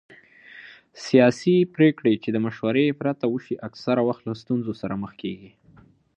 سیاسي پرېکړې چې د مشورې پرته وشي اکثره وخت له ستونزو سره مخ کېږي